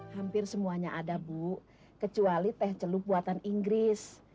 hampir semuanya ada bu kecuali teh celup buatan inggris